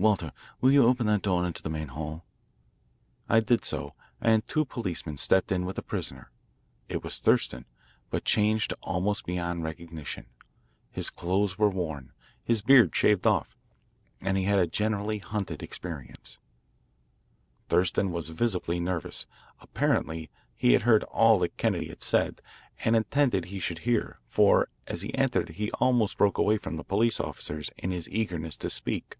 Walter, will you open that door into the main hall?" I did so, and two policemen stepped in with a prisoner. It was Thurston, but changed almost beyond recognition. His clothes were worn, his beard shaved off, and he had a generally hunted appearance. Thurston was visibly nervous. Apparently he had heard all that Kennedy had said and intended he should hear, for as he entered he almost broke away from the police officers in his eagerness to speak.